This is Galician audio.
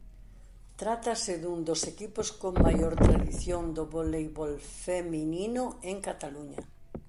Trátase dun dos equipos con maior tradición do voleibol feminino en Cataluña.